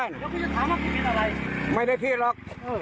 เดี๋ยวกูจะถามว่าผิดอะไรไม่ได้ผิดหรอก